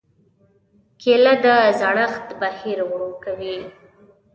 کېله د زړښت بهیر ورو کوي.